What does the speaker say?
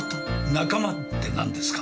仲間ってなんですか？